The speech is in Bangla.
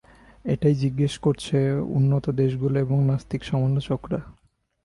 এটাই জিজ্ঞেস করছে উন্নত দেশগুলো এবং নাস্তিক সমালোচকরা।